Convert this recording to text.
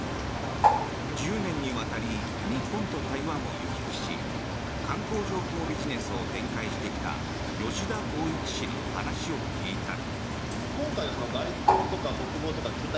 １０年にわたり日本と台湾を行き来し観光情報ビジネスを展開してきた吉田皓一氏に話を聞いた。